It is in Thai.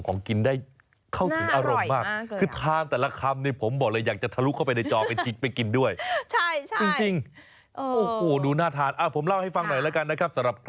ตรงนี้ก่อนแล้วก็ไปตรงนั้นนะครับ